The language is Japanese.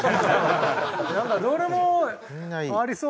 なんかどれもありそう。